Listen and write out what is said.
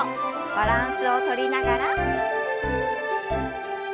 バランスをとりながら。